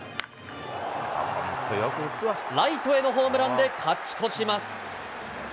ライトへのホームランで勝ち越します。